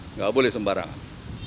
enggak boleh sembarangan